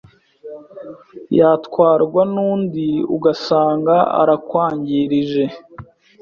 yatwarwa nundi ugasanga arakwangirije?